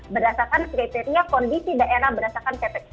berdasarkan kriteria kondisi daerah berdasarkan ppkm